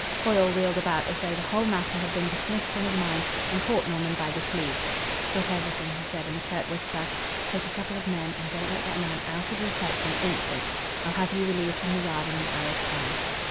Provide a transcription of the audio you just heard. Foyle wheeled about as though the whole matter had been dismissed from his mind, and caught Norman by the sleeve. "Drop everything," he said in a curt whisper. "Take a couple of men and don't let that man out of your sight for an instant. I'll have you relieved from the Yard in an hour's time."